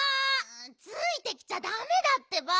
ついてきちゃだめだってば。